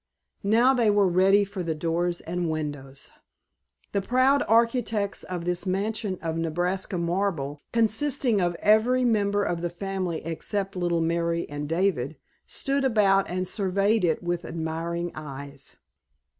Now they were ready for the doors and windows! The proud architects of this mansion of "Nebraska marble"—consisting of every member of the family except little Mary and David—stood about and surveyed it with admiring eyes.